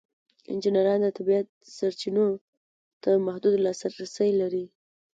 انجینران د طبیعت سرچینو ته محدود لاسرسی لري.